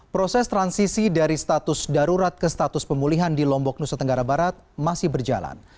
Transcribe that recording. proses transisi dari status darurat ke status pemulihan di lombok nusa tenggara barat masih berjalan